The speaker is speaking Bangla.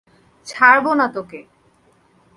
ছাড়ব না তোকে।